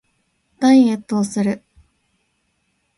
ダイエットをする